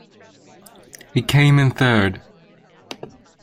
He came in third.